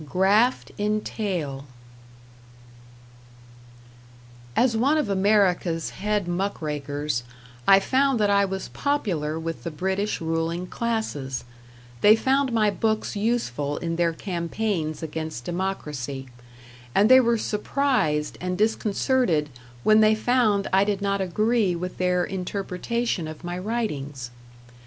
#Graft in Tail# As one of America's head muck rakers, I found that I was popular with the British ruling classes; they found my books useful in their campaigns against democracy, and they were surprised and disconcerted when they found I did not agree with their interpretation of my writings.